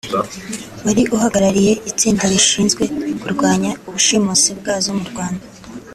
wari uhagarariye itsinda rishinzwe kurwanya ubushimusi bwazo mu Rwanda